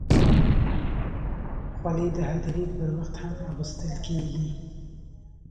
خولۍ د هدیرې پر وخت هم اغوستل کېږي.